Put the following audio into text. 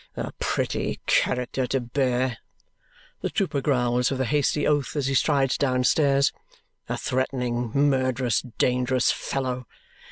"A pretty character to bear," the trooper growls with a hasty oath as he strides downstairs. "A threatening, murderous, dangerous fellow!"